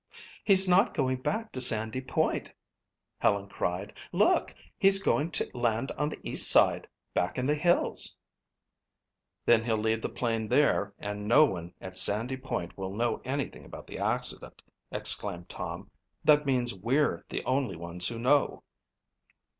"He's not going back to Sandy Point," Helen cried. "Look, he's going to land on the east side back in the hills." "Then he'll leave the plane there and no one at Sandy Point will know anything about the accident," exclaimed Tom. "That means we're the only ones who know."